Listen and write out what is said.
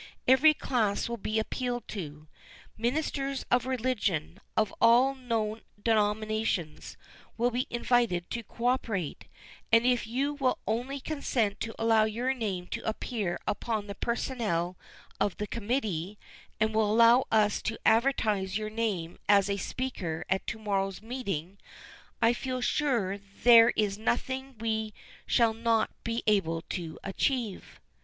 Every class will be appealed to. Ministers of religion, of all known denominations, will be invited to co operate, and if you will only consent to allow your name to appear upon the personnel of the committee, and will allow us to advertise your name as a speaker at to morrow's meeting, I feel sure there is nothing we shall not be able to achieve."